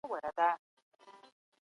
فساد په ټولنه کي بې اعتمادي خپروي.